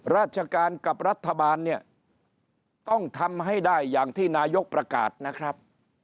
ราชการกับรัฐบาลเนี่ยต้องทำให้ได้อย่างที่นายกประกาศนะครับ